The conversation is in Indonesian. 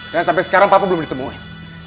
dan sampai sekarang papa belum ditemuin